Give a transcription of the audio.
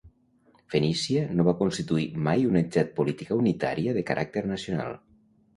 Fenícia no va constituir mai una entitat política unitària de caràcter nacional.